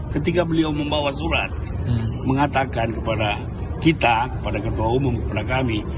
ketika beliau membawa surat mengatakan kepada kita kepada ketua umum kepada kami